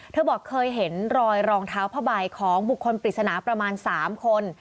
เธอบอกเคยเห็นรอยรองเท้าผ้าใบของบุคคลปริศนาประมาณ๓คน